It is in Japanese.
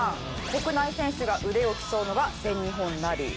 国内選手が腕を競うのが全日本ラリー。